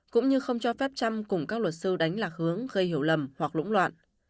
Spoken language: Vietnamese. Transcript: cũng như không cho phép trăm cùng các luật sư đánh lạc hướng gây hiểu lầm hoặc lũng loạn